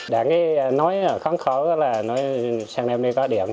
đã nghe nói khó khổ là nói sang đêm nay có điện